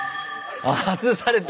あ外された。